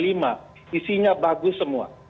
isinya bagus semua